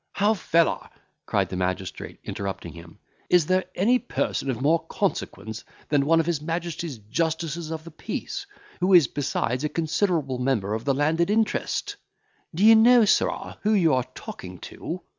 "How, fellor!" cried the magistrate, interrupting him, "is there any person of more consequence than one of his Majesty's justices of the peace, who is besides a considerable member of the landed interest! D'ye know, sirrah, who you are talking to?